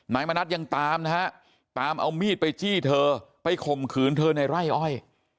มณัฐยังตามนะฮะตามเอามีดไปจี้เธอไปข่มขืนเธอในไร่อ้อย